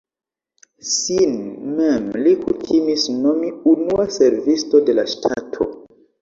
Sin mem li kutimis nomi "unua servisto de la ŝtato".